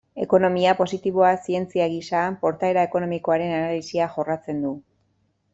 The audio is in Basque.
Ekonomia positiboa zientzia gisa, portaera ekonomikoaren analisia jorratzen du.